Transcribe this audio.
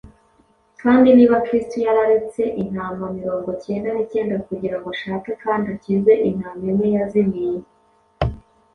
Kandi niba Kristo yararetse intama mirongo cyenda n’icyenda kugira ngo ashake kandi akize intama imwe yazimiye,